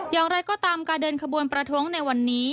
อย่างไรก็ตามการเดินขบวนประท้วงในวันนี้